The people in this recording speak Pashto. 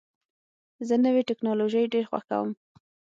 زه نوې ټکنالوژۍ ډېر خوښوم.